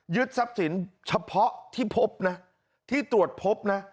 ทรัพย์สินเฉพาะที่พบนะที่ตรวจพบนะ